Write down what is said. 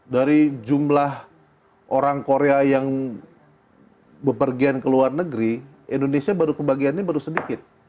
dari jumlah orang korea yang bepergian ke luar negeri indonesia baru kebagiannya baru sedikit